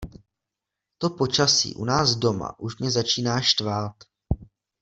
To počasí u nás doma už mě začíná štvát.